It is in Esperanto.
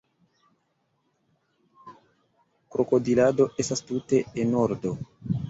Krokodilado estas tute enordo